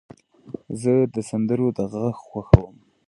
زه د سندرو د غږ خوښوم.